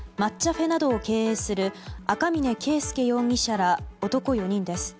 ｆｅなどを経営する赤嶺圭亮容疑者ら男４人です。